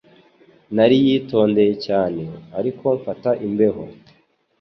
Nariyitondeye cyane, ariko mfata imbeho.